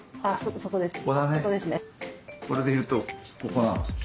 これで言うとここなんですね。